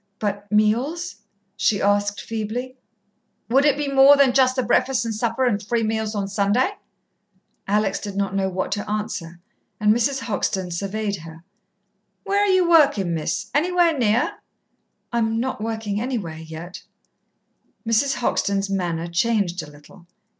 "But meals?" she asked feebly. "Would it be more than just the breakfast and supper, and three meals on Sunday?" Alex did not know what to answer, and Mrs. Hoxton surveyed her. "Where are you working, Miss? Anywhere near?" "I'm not working anywhere yet." Mrs. Hoxton's manner changed a little.